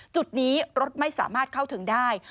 จุดนี้รถไม่สามารถเข้าถึงได้